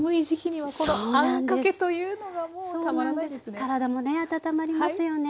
体もね温まりますよね。